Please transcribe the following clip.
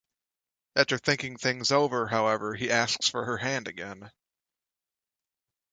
After thinking things over, however, he asks for her hand again.